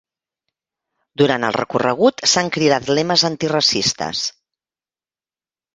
Durant el recorregut s'han cridat lemes antiracistes.